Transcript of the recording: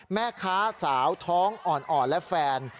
แม่ค้าสาวท้องอ่อนและแฟน